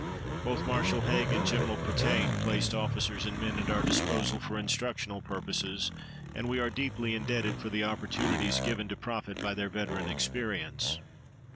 Both Marshal Haig and General Pétain placed officers and men at our disposal for instructional purposes, and we are deeply indebted for the opportunities given to profit by their veteran experience.